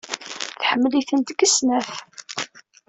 Tḥemmelt-itent deg snat.